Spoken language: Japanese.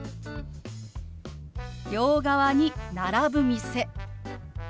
「両側に並ぶ店」。